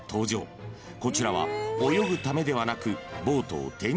［こちらは泳ぐためではなく］